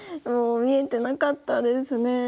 もう見えてなかったですね。